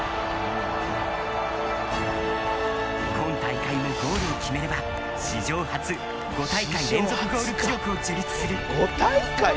今大会もゴールを決めれば史上初、５大会連続ゴール記録を樹立する。